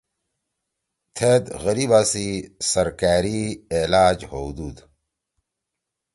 تھید غریِبا سی سرکأری علاج ہؤدُود